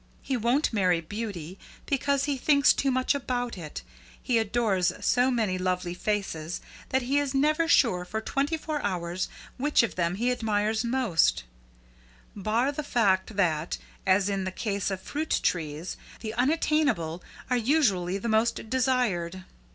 He won't marry beauty, because he thinks too much about it. He adores so many lovely faces, that he is never sure for twenty four hours which of them he admires most, bar the fact that, as in the case of fruit trees, the unattainable are usually the most desired.